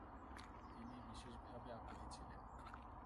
তিনি বিশেষভাবে আগ্রহী ছিলেন।